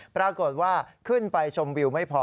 ปรากฏว่าขึ้นไปชมวิวไม่พอ